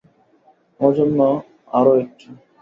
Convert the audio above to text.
আমার জন্য আরও একটি।